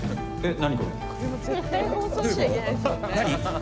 何？